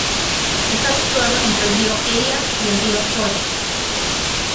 Está situado entre el Río Eria y el Río Órbigo.